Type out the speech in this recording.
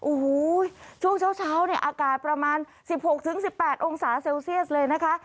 โอ้โหช่วงเช้าเนี่ยอากาศประมาณ๑๖๑๘องศาเซลเซียสเลยนะคะ